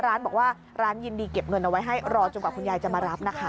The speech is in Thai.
ร้านบอกว่าร้านยินดีเก็บเงินเอาไว้ให้รอจนกว่าคุณยายจะมารับนะคะ